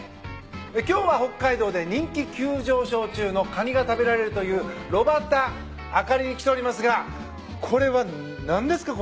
今日は北海道で人気急上昇中のカニが食べられるという炉ばた燈に来ておりますがこれは何ですか？